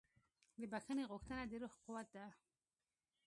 د بښنې غوښتنه د روح قوت ده.